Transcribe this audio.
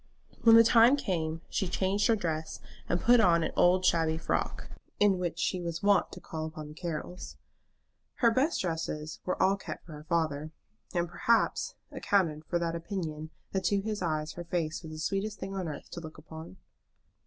When the time came she changed her dress, and put on an old shabby frock, in which she was wont to call upon the Carrolls. Her best dresses were all kept for her father, and, perhaps, accounted for that opinion that to his eyes her face was the sweetest thing on earth to look upon.